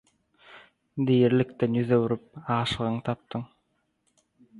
Dirilikden ýüz öwürip, aşygyňy tapdyň.